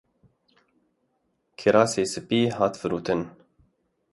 Kirasê spî hat firotin.